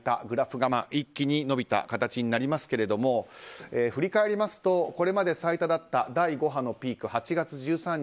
グラフが一気に伸びた形になりますが振り返りますとこれまで最多だった第５波のピーク